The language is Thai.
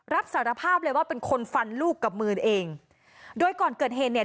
รับสารภาพเลยว่าเป็นคนฟันลูกกับมือนเองโดยก่อนเกิดเหตุเนี่ย